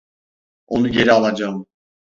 Onu geri alacağım.